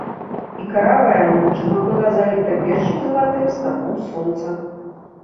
І каравая анучка была заліта першым залатым снапом сонца.